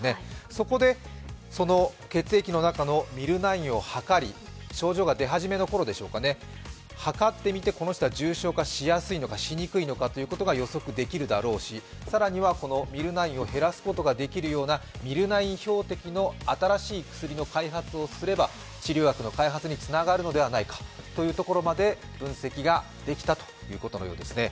そこで血液の中のＭｙｌ９をはかり症状が出始めのころでしょうかね、測ってこの人は重症化しやすいのか、しにくいのかが予測できるだろうし、更にはＭｙｌ９を減らすことができるようなＭｙｌ９標的の新しい薬の開発をすれば治療薬の開発につながるのではないかというところまで分析ができたということのようですね。